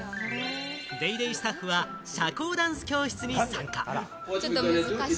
『ＤａｙＤａｙ．』スタッフは社交ダンス教室に参加。